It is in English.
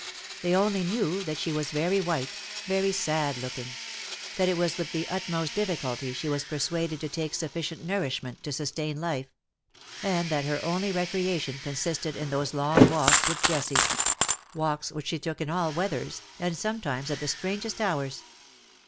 They only knew that she was very white, very sad looking; that it was with the utmost difficulty she was persuaded to take sufficient nourishment to sustain life ; and that her only recreation consisted in those long walks with Jessie — walks which they took in all weathers, and 83 sometimes at the strangest hours.